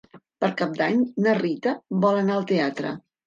Per Cap d'Any na Rita vol anar al teatre.